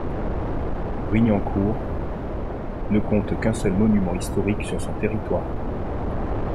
Brignancourt ne compte qu'un seul monument historique sur son territoire.